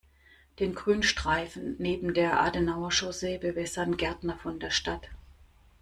Den Grünstreifen neben der Adenauer-Chaussee bewässern Gärtner von der Stadt.